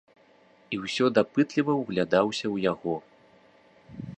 І ўсё дапытліва ўглядаўся ў яго.